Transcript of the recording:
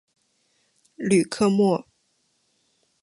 吕克莫。